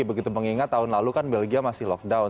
begitu mengingat tahun lalu kan belgia masih lockdown